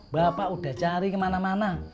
bapak udah cari kemana mana